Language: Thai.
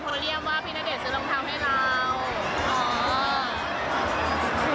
คุณก็รู้แล้วว่าเราก็เรียกกันแบบนี้ค่ะ